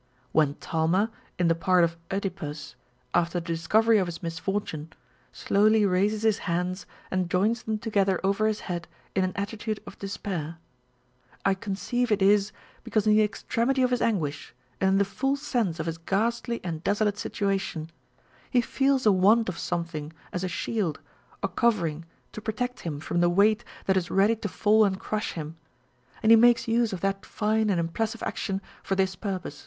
When Talma, in the part of (Edipus, after the discovery of his misfortune, slowly raises his hands and joins them together over his head in an attitude of despair, I conceive it is because in the extremity of his anguish, and in the full sense of his ghastly and desolate situation, he feels a want of some thing as a shield or covering to protect him from the weight that is ready to fall and crush him, and he makes use of that fine and impressive action for this purpose ; 1 See Memoirs of William Hazlitt, 1867, i.